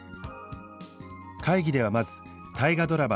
会議ではまず大河ドラマ